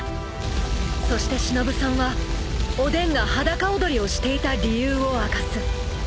［そしてしのぶさんはおでんが裸踊りをしていた理由を明かす］